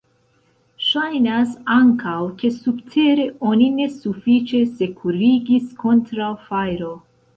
Ŝajnas ankaŭ, ke subtere oni ne sufiĉe sekurigis kontraŭ fajro.